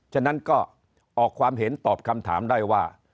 ฉะนั้นก็ออกความเห็นตอบคำถามได้ว่า